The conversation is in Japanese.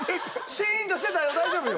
シーンとしてたよ大丈夫よ。